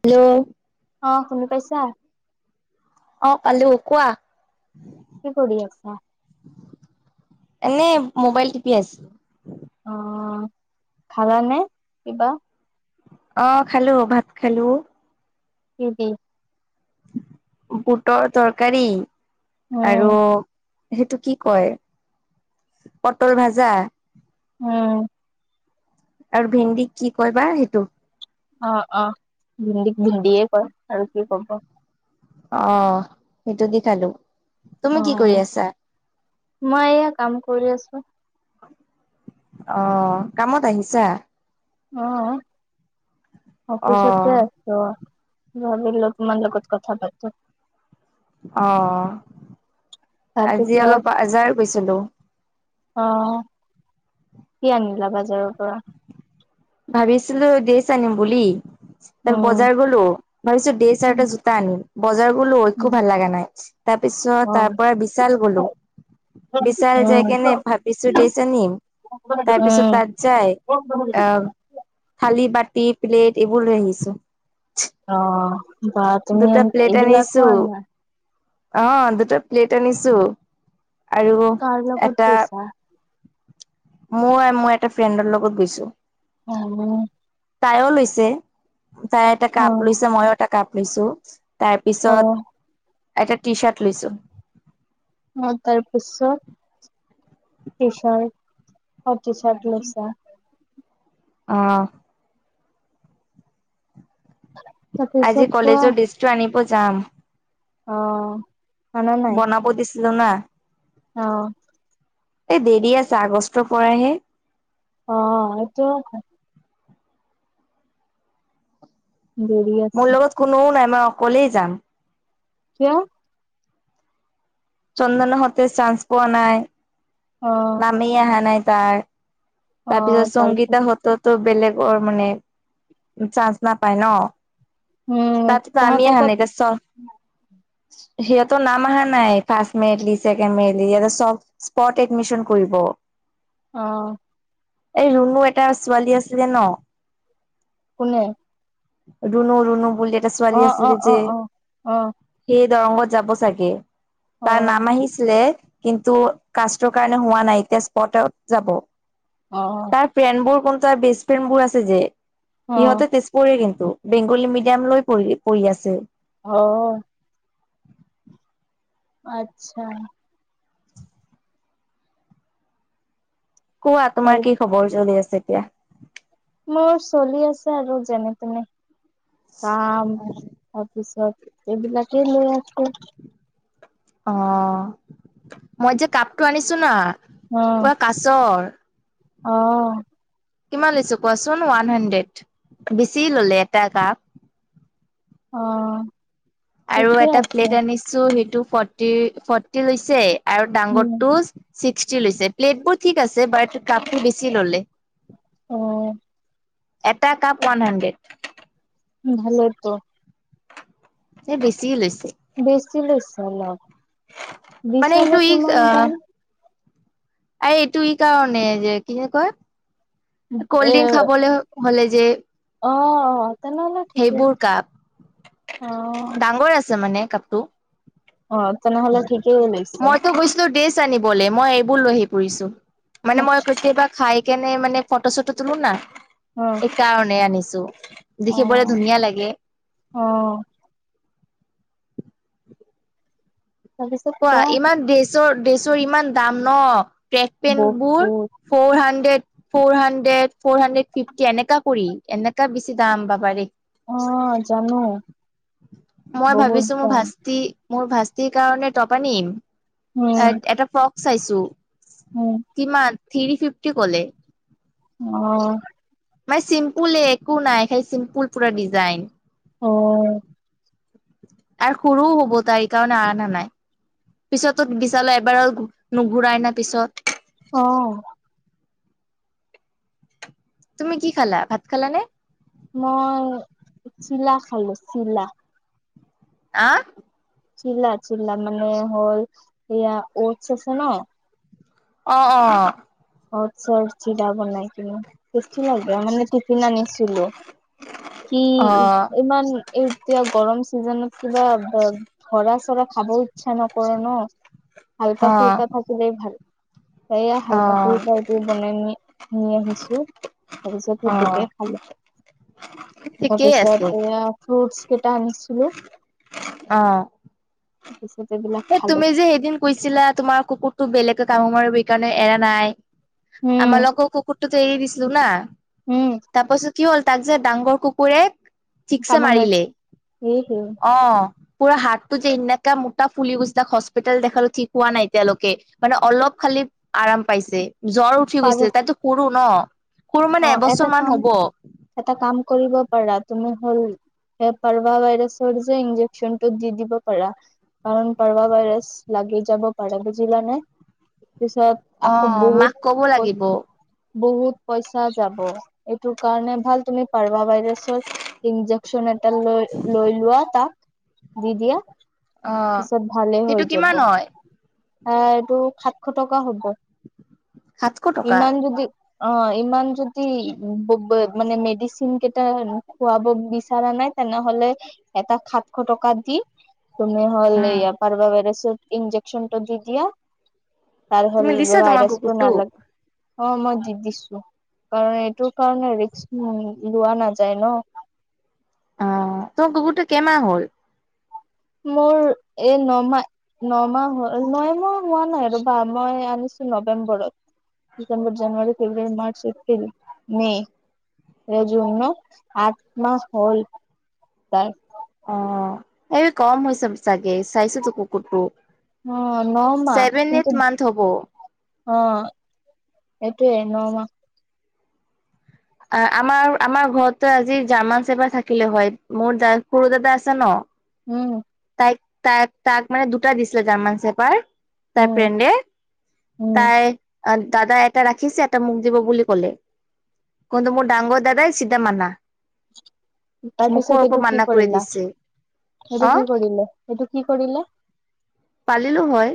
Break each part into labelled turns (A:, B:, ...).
A: Hello
B: অ শুনি পাইছা
A: অ আলু কোৱা
B: কি কৰি আছা?
A: এনেই মোবাইল টিপি আছো।
B: অ খালা নে কিবা?
A: অ খালো ভাত খালো
B: উ কি?
A: বুটৰ তৰকাৰী।
B: উম
A: আৰু সেইটো কি কয় পটল ভাজা?
B: উম
A: আৰু ভেণ্ন্দি কি কয় বা সেইটো
B: অ অ ভিন্দী ভিন্দিয়ে ক আৰু কি কব।
A: অ সেইটো দি খালো। তুমি
B: অ
A: কি কৰি আছা
B: মই এয়া কাম কৰি আছো। [unintelligible]
A: অ কামত আহিছা?
B: অহ
A: অ
B: অফিছতে আছ? ভাবিলোঁ তোমাৰ লগত লগত কথা পাতো
A: অহ আজি
B: তাৰপিছত
A: অলপ বাজাৰ গৈ।
B: অ কি আনিলা বাজাৰৰ পৰা?
A: ভাবিছিলো ড্ৰেছ আনিম বুলি তাৰ
B: উম
A: বজাৰ গলো ভাবিছো দে চাৰট য়ে জোতা আনিম বজাৰ গলো একো ভাল লগা নাই। তাৰ পিছত
B: অ
A: তাৰ পৰা বিশাল গলো
B: উম
A: বিশাল যাই কেনে ভাবিছো ড্ৰেছ আনিম
B: অ
A: তাৰপিছত তাত যাই আহ থালি বাটি প্লেট এইবোৰ লৈ আহিছোঁ।
B: অ বা তুমি
A: প্লেট
B: এই বিলাকো
A: আনিছো
B: আনা।
A: অ দুটা প্লেট আনিছো আৰু
B: কাৰ লগত
A: এটা
B: গৈছা
A: মই আৰু মই এটা ফ্ৰেণ্ডৰ লগত গৈছো।
B: জানো
A: তাইয় লৈছে তাইে এটা কাপ
B: অ',
A: লৈছে মইও এটা কাপ [unintelligible] তাৰপিছত
B: অ',
A: এটা টি শাৰ্ট লৈছো
B: অঁ তাৰপিছত টি চাৰ্ট টি চাৰ্ট লৈচা
A: অঁ
B: তাৰপিছত
A: আজি কলেজৰ লিষ্টটো আনিব যাম
B: আঁহ
A: বনপতি না
B: অ',
A: এ দেৰি আছে আগষ্টৰ পৰাহে
B: অঁ এইটো দেৰি আছে,
A: মোৰ লগত কোনোওঁ নাই মই অকলেই যাম
B: কিয়
A: চন্দনে হাতে চান্স পোৱা নাই।
B: অ',
A: নামেই আহা নাই। তাৰ
B: অ',
A: তাৰপিছত
B: তাৰপি
A: সংগীতা হত তো বেলেগৰ, মানে চাঞ্চ নাপায় ন,
B: উম,
A: তাত এতিয়া আমি
B: তাহাঁতে
A: অহা
B: ক'ত
A: নাই এতিয়া চ সিহঁতৰ নাম অহা নাই, first merit list, second merit list ইয়াতে স্পট এডমিশন কৰিব।
B: অঁ'
A: এই ৰুনু এটা ছোৱালী আছিলে ন,
B: কোনে
A: ৰুনু ৰুনু বুলি টা
B: অ',
A: আছিল
B: অ',
A: যে,
B: অ', অ'। অ',
A: সে দৰংগত যাব চাগে। তাৰ
B: অ',
A: নাম আহিছিলে, কিন্তু কাষ্টৰ কাৰণে হোৱা নাই, এতিয়া স্পটত যাব।
B: অ',
A: তাৰ ফ্ৰেণ্ডবোৰ কোন তাৰ বেষ্ট ফ্ৰেণ্ড বোৰ আছে যে-
B: অ',
A: সিহঁতে তেজপুৰৰে, বেংগলী মিডিয়াম লৈ পঢি পঢ়ি আছে।
B: অঁ' আচ্ছা
A: কোৱা? তোমাৰ
B: তাৰ
A: কি খবৰ চলি আছে। যেতিয়া
B: মোৰ চলি আছে আৰু যেনে তেনে। কাম, তাৰপিছত- এইবিলাকেই লৈ আকৌ
A: অ' মই যে কাপটো আনিছো ন,
B: অ',
A: পুৰা কাছৰ
B: অ'
A: কিমান লিছু? পচন ওৱান হণ্ড্ৰেড। বেছি ললে, এটা কাপ
B: অ'
A: আৰু
B: ঠিকে
A: এটা
B: আছে
A: প্লেট আনিছো সেইটো ফৰ্টি ফৰ্টি লৈছে, আৰু ডাঙৰ
B: উম,
A: টোচ ছিক্সটি লৈছে। প্লেট বোৰ ঠিক আছে বাট কাপটো বেছি ল'লে।
B: অ
A: এটা কাপ ওৱান হাণ্ড্ৰেড
B: ভালেতো
A: এ বেছি লৈছে
B: বেছি লৈছে ন
A: মানে এইটো
B: বিশালত
A: ই
B: কিমান দান?
A: আ এইটো ই কাৰণে যে কি যে কয়
B: এ
A: ক'ল্ড ড্ৰিংক খাবলৈ হ'লে যে
B: অ অ তেনেহ'লে ঠিকেই
A: সেইবোৰ কাপ
B: অ
A: টো
B: অ', তেনেহলে ঠিক
A: মইতো গৈছিলো ড্ৰেচ জানিবলে মই এইবোৰ লৈ আহি ফুৰিছো মানে মই [unintelligible] এটাক খাই কেনে মানে ফটো চটো তোলো নাই
B: অ',
A: সেইকাৰণে আনিছো। যৌ দেখিবলৈ
B: অ'।
A: ধুনীয়া লাগে
B: অ',
A: কোৱা ইমান ড্ৰেচৰ ড্ৰেচ টোৰ ইমান দাম ন ট্ৰেক পেণ্টবোৰ
B: বহুত
A: four hundred four hundred four hundred fifty এনেকা কৰি এনেক- বেছি দাম বা পাৰি
B: অ', জানো
A: মই
B: বহুত
A: ভাবিছো মোৰ
B: দাম
A: ভাস্তি মোৰ ভাস্তিৰ কাৰণে। টপ আনিম। এ
B: উম,
A: এটা ফক। চাইছোঁ।
B: উম,
A: কিমান? থ্ৰী ফিফটি কলে।
B: অ।
A: মা চিম্পুলে একো নাই সেই চিম্পুল পুৰা ডিজাইন।
B: অ।
A: আৰু সৰুও হ'ব তাই কাৰণে অনা নাই। পিছতোত বিচালে এবাৰ নুঘূৰাই না পিছত।
B: অহ!
A: তুমি কি খালা? ভাত খালা নে?
B: মই চিলা খালো চিলা।
A: আহ?
B: চিলা, চিল্লা মানে হ'ল ইয়া অতচ আছে ন।
A: অ অ।
B: অতচৰ চিলা বনাই কিনে। টেষ্টি লাগে, মানে টিফিন আনিছিলো। কি?
A: অ
B: ইমান এতিয়া গৰম চিজনত। কিবা ধৰা চৰা খাব ইচ্ছা নকৰ ন।
A: অ
B: হাল্কা ফুল্কা থাকিলেই ভাল। সেইয়া হলকা। [unintelligible] [unintelligible]
A: অ
B: আছোঁ
A: অ
B: [unintelligible] তা
A: ঠিকেই
B: পিছত
A: আছে
B: সেইয়া। ফ্ৰুতচ কেইটা আনিছিলো।
A: [unintelligible] অ
B: তাৰপিছত এইবিলাক
A: এ
B: খালো
A: তুমি যে সেইদিন কৈছিলা, তোমাৰ কুকুৰটো বেলেগ। [unintelligible] মাৰ বি কাৰণে এৰা নাই। আম
B: উম
A: লক কুকুৰটোক এৰি দিছিলো না।।
B: উম
A: তাপাছত। কি হ'ল? তাক যে ডাঙৰ কুকুৰে। ঠিকছে
B: কামোৰ
A: মাৰিলে,
B: মাৰিছে এই
A: অ। পুৰা হাতটো যে এনকা। টা ফুলি গুচি তাক হস্পিতেল দেখালো, ঠিক হোৱা নাই তেওঁলোকে মানে অলপ খালি আৰাম পাইছে। জ্বৰ উঠি
B: পাৰ
A: গৈছিলে তাইতো সুৰো ন', [unintelligible]
B: অ,
A: এবছৰ
B: এটা
A: মান
B: কাম,
A: হ'ব
B: এটা কাম কৰিব, পাৰা তুমি হল হে পাৰবা ভাইৰাছৰ যে ইনজেকচন টো দি দিব পাৰা কাৰণ পাৰবা ভাইৰাছ লাগি যাব পাৰে বুজিলা নে?
A: অ', মাক কব লাগিব।
B: বহুত, পইচা যাব এইটো কাৰণে ভাল তুমি, পাৰবা ভাইৰাছৰ ইন্জেকচন এটা লৈ -লৈ লোৱা তাক, দি - দিয়া
A: অ',
B: পিছত ভালে
A: সেইটো
B: হৈ যাব
A: কিমান হয়।
B: আহ ', এইটো সাতশ টকা হ'ব।
A: সাতশ টকা?
B: ইমান যদি অ', ইমান যদি মানে মেডিচিন কেইটা খুৱাব বিচৰা নাই তেনেহলে এটা সাতশ টকা দি, তুমি হ'ল
A: উম,
B: এইয়া পাৰবা ভাইৰাছ, ইঞ্জেকচনটো দি দিয়া, তাৰহ'ল
A: তুমি দিছা তোমাৰ
B: ভাইৰাছটো
A: কুকুৰটোক?
B: নালাগে। অ', মই দি দিছোঁ। কাৰণ এইটোৰ কাৰণে ৰিক্স লোৱা নাযায় ন',
A: অ ', তোমাৰ কুকুৰটো কেমাহ হ'ল?
B: মোৰ এই ন -মাহ, নমাহ হ'ল। ন মাহ হোৱা নাই ৰবা মই আনিছো নৱেম্বৰত। December, January, February, March, April, May, এই জুন আঠ মাহ হ'ল তাৰ।
A: অহ ', এই কম হৈছে চাগে চাইচোতো কুকুৰটো।
B: অহ ', ন- মাহ
A: ছেভেন এইট
B: কিন্তু,
A: মান্থ হ'ব।
B: অ', এইটোৱে ন- মাহ
A: আমাৰ- আমাৰ ঘৰত আজি জাৰ্মান -চেবাৰ থাকিলে হয়, মোৰ সৰু দাদা আছে ন, '
B: উম, '
A: তাই তাইক তাক মানে দুটা দিছিলে জাৰ্মান চেপাৰ। তাৰ
B: উম
A: ফ্ৰেনদে
B: উম
A: তাই, দাদাই এটা ৰাখিছে এটা মোক দিব বুলি কলে। কন্তু মোৰ ডাঙৰ দাদাই চিধা মানা,
B: তাৰ
A: মুখৰ
B: পিছত
A: ওপৰত
B: এইটো কি
A: মানা কৰি
B: কৰিলা,
A: দিছে অ
B: এইটো কি কৰিলে? এইটো কি কৰিলে?
A: পালিলো হয়।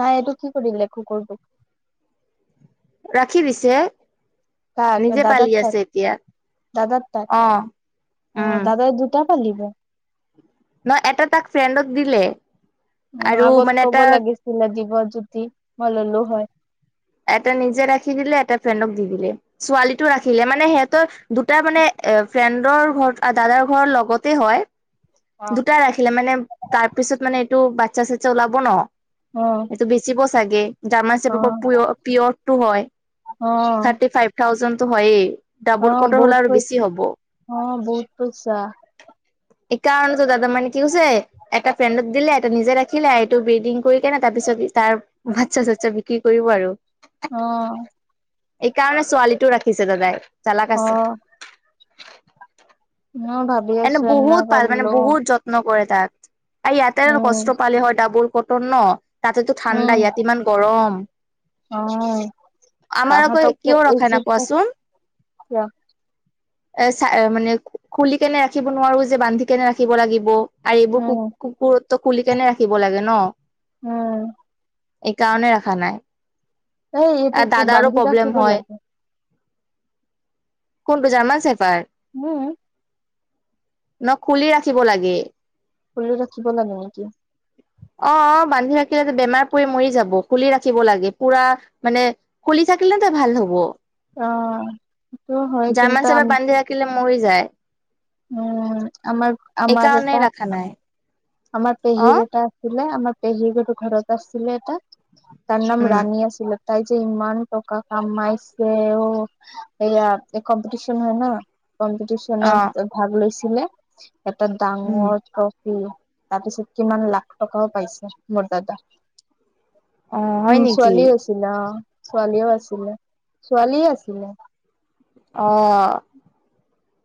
B: নাই এইটো কি কৰিলে কুকুৰটোক?
A: ৰাখি দিছে।
B: কাক
A: নিজে পালি
B: দাদাৰ তাক,
A: আছে এতিয়া
B: দাদাৰ তাক
A: অ
B: অ
A: উম
B: ', দাদাই দুটা, পালিব।
A: ন', এটা তাক ফ্ৰেণ্ডক দিলে। আৰু
B: আগত
A: মানে
B: ক'ব
A: এটা
B: লাগিছিলে দিব যদি, মই ল'লো হয়।
A: এটা নিজে ৰাখি দিলে, এটা ফ্ৰেণ্ডক দি দিলে। ছোৱালীটো ৰাখিলে, মানে সিহঁতৰ দুটা মানে, এ ফ্ৰেণ্ডৰ ঘৰ, দাদাৰ ঘৰৰ লগতে হয়।
B: অ
A: দুটাই ৰাখিলে মানে, তাৰ পিছত মানে এইটো বা [unintelligible] ওলাব ন।
B: অ
A: এইটো বেছি বস্ চাগে।
B: অ
A: জামাচেবকক পিয়ৰটো হয়,
B: অ
A: থাৰ্টি ফাইভ থাউজেণ্ড তো হয়য়ে।
B: অ বহুত, অ বহুত পইচা।
A: এই কাৰণেতো দাদা মানে কি কৰিছে, এটা ফ্ৰেণ্ডক দিলে, এটা নিজে ৰাখিলে, এইটো ব্ৰডিং কৰি কিনে তাৰপিছত তাৰ বাচ্ছা চচ্ছা বিক্ৰী কৰিব আৰু।
B: অ'হ।
A: এইকাৰণে ছোৱালীটো ৰাখিছে দাদাই। জালক
B: অ
A: আছে।
B: মই ভাবি
A: এনে
B: আছো
A: বহুত ভাল মানে,
B: লম
A: বহুত যত্ন কৰে। তাত। এই ইয়াতে আৰু
B: উম
A: কষ্ট পালে হয়, ডাবুল। কটত ন। তাতেতো
B: উম
A: ঠাণ্ডা, ইয়াত ইমান গৰম।
B: অ,
A: আমাৰ আকৌ
B: তাহতকো
A: কিয়
B: এই
A: ৰখা নাই
B: [unintelligible]
A: কোৱাচোন
B: কিয়?
A: মানে খুলি কেনে ৰাখিব নোৱাৰো যে, বান্ধি কেনে ৰাখিব লাগিব। আৰু এইবোৰ কু, কুকুৰ ত খুলি কেনে ৰাখিব লাগে ন?
B: উম!
A: এই কাৰণে ৰাখা নাই।
B: এই এইটো
A: আৰু দাদাৰো
B: বান্ধি
A: প্ৰব্লেম
B: ৰাখিব
A: হয়
B: লাগে।
A: কোনটো জাৰ্মান ছেফাৰ্ড?
B: উম।
A: ন খুলি ৰাখিব লাগে।
B: খুলি ৰাখিব লাগে নেকি?
A: অ অ বান্ধি ৰাখিলে বেমাৰ পৰি মৰি যাব, খুলি ৰাখিব লাগে। পুৰা মানে খুলি থাকিলেতে ভাল হ'ব।
B: অঁ!
A: জাৰ্মান চেফাৰ্ড বান্ধি ৰাখিলে মৰি যায়।
B: উম আমাৰ আমাৰ
A: এইকাৰণে
B: এটা
A: ৰাখা নাই
B: আমাৰ
A: অ
B: পেহীৰ এটা আছিলে আমাৰ ঘৰত আছিলছিলে এটা তাৰ নাম
A: উম
B: ৰাণী আছিল। তাই যে ইমান টকা কামাইছে এইয়া কম্পিটিশন হয় ন
A: অ
B: কম্পিটিশনত ভাগ লৈছিল। [inaudible] এটা
A: উম
B: ডাঙৰ উম তাৰ পিছত কিমান লাখ টকাওঁ পাইছে মোৰ দাদা
A: অ হয়
B: উম
A: নেকি
B: ছোৱালী আছিলা। ছোৱালীওঁ আছিলে ছোৱালী আছিলে
A: অঁ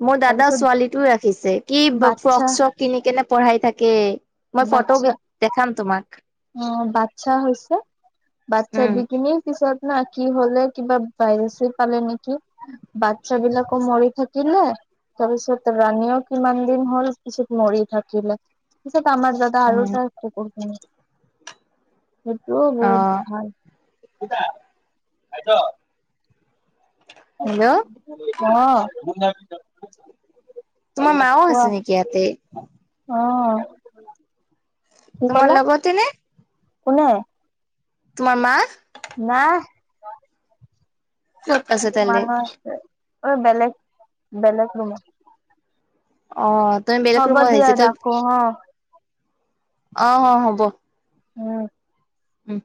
A: মোৰ দাদা
B: তাৰপিছত
A: ছোৱালীটোও ৰাখিছে কি
B: বাচ্ছা
A: ফৰক চক কিনিনে প চাই থাকে মই ফটো দেখাম তোমাক
B: অঁ বাচ্ছা হৈছে বাচ্ছাৰ
A: উম
B: দিকিনে তাৰ পিছত না কি হলে কিবা ভাইৰেছে পালে নেকি বাচ্ছ বিলাকো মৰি থাকিলে তাৰপিছত ৰাণীও কিমান দিন হল পিছত মৰি থাকিলে তাৰ মাজতে
A: অ
B: আৰু এটা কি হয় সেইটোও
A: অ
B: বহুত ভাল কা তাই [inaudible]
A: হেল্ল'
B: অঃ ম [inaudible]
A: তোমাৰ মাওঁ আছে নেকি ইয়াতে
B: অঁ
A: তোমাৰ লগতে নে
B: কোনে
A: তোমাৰ মা
B: নাই
A: ক'ত আছে
B: মা
A: তালে
B: হৈ আছে অঁ বেলেগ বেলেগ ৰুম
A: অঁ
B: হ'ব দিয়া ৰাখো অ
A: অ অ হ'ব
B: উম
A: উম